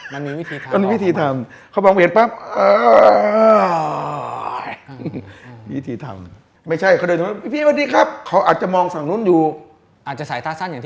มันมีวิธีทำ